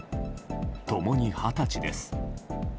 共に二十歳です。